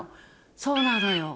そうなのよ。